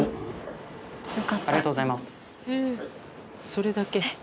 「それだけ？」